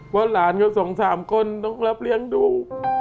เพราะหลานเขาสองสามคนต้องรับเลี้ยงดู